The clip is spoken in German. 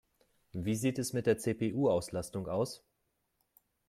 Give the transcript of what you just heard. Wie sieht es mit der CPU-Auslastung aus?